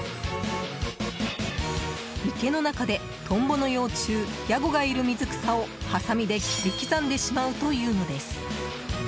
池の中で、トンボの幼虫ヤゴがいる水草をはさみで切り刻んでしまうというのです。